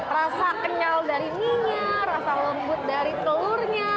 rasa kenyal dari mie nya rasa lembut dari telurnya